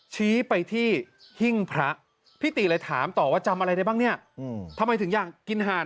ชี้ไปที่หิ้งพระพี่ตีเลยถามต่อว่าจำอะไรได้บ้างเนี่ยทำไมถึงอยากกินห่าน